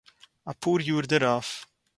אַ פּאָר יאָר דערויף